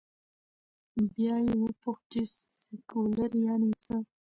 بیا یې وپوښت، چې سیکولر یعنې څه؟